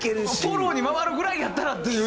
フォローに回るぐらいやったらっていうような。